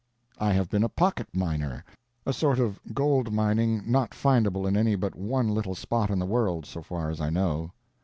I have been a "pocket" miner—a sort of gold mining not findable in any but one little spot in the world, so far as I know.